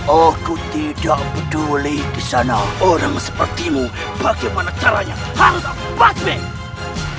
aku tidak peduli di sana orang seperti mu bagaimana caranya harus aku back back